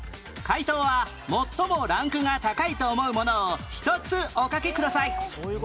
解答は最もランクが高いと思うものを１つお書きください